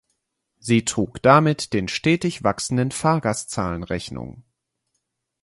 Sie trug damit den stetig wachsenden Fahrgastzahlen Rechnung.